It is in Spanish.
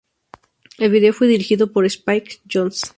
El video fue dirigido por Spike Jonze.